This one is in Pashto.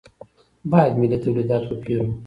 باید ملي تولیدات وپېرو.